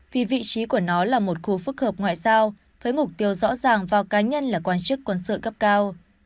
vì vị trí của nó là một khu phức hợp ngoại giao với mục tiêu rõ ràng vào cá nhân là quan chức quân sự cấp cao